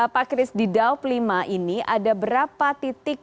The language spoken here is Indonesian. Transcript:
pak kris di daup lima ini ada berapa titik